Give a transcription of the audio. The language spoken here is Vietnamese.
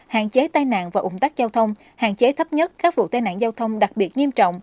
hạn chế tai nạn và ủng tắc giao thông hạn chế thấp nhất các vụ tai nạn giao thông đặc biệt nghiêm trọng